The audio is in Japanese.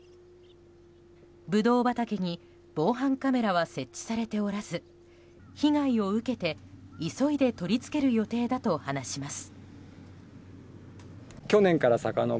ブドウ畑に防犯カメラは設置されておらず被害を受けて急いで取り付ける予定だと話します。